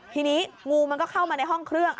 ทีนี้งูมันก็เข้ามาในห้องเครื่อง